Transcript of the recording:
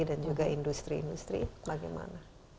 dan juga industri industri bagaimana